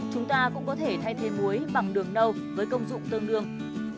chúng ta cũng có thể thay thế muối bằng đường nâu với công dụng tương đương